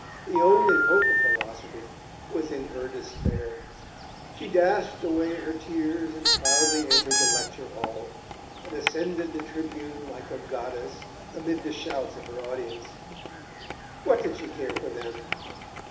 The only hope of philosophy was in her despair! ............... She dashed away the tears, and proudly entered the lecture hall, and ascended the tribune like a goddess, amid the shouts of her audience.... What did she care for them?